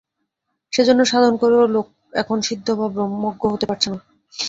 সেজন্য সাধন করেও লোক এখন সিদ্ধ বা ব্রহ্মজ্ঞ হতে পারছে না।